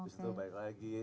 lalu balik lagi